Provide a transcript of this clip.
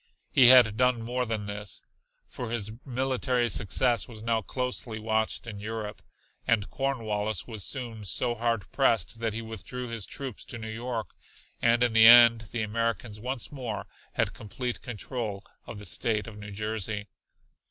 He had done more than this, for his military success was now closely watched in Europe. And Cornwallis was soon so hard pressed that he withdrew his troops to New York and in the end the Americans once more had complete control of the state of New Jersey.